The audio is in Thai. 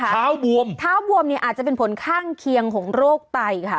เท้าบวมเท้าบวมเนี่ยอาจจะเป็นผลข้างเคียงของโรคไตค่ะ